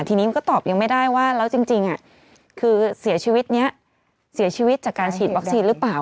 ทีนี้มันก็ตอบยังไม่ได้ว่าแล้วจริงคือเสียชีวิตนี้เสียชีวิตจากการฉีดวัคซีนหรือเปล่า